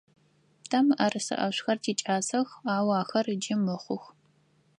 Тэ мыӏэрысэ ӏэшӏухэр тикӏасэх, ау ахэр джыри мыхъух.